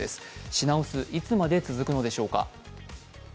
品薄、いつまで続くのでしょうか。